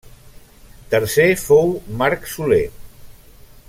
Tercer fou Marc Soler.